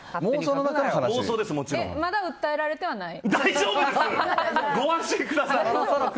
まだ訴えられてはない？